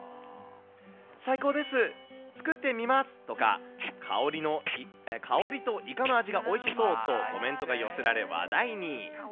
最高です、作ってみますとか、香りとイカの味がおいしそうと、コメントが寄せられ、話題に。